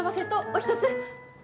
お一つ。